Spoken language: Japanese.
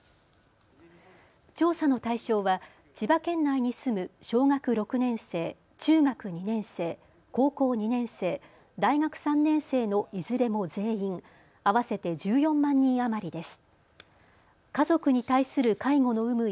調査の対象は千葉県内に住む小学６年生、中学２年生、高校２年生、大学３年生のいずれも全員合わせて１４万人余りです。